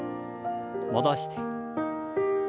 戻して。